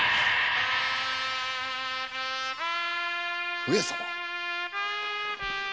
上様！？